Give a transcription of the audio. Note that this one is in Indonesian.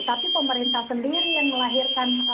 tapi pemerintah sendiri yang melahirkan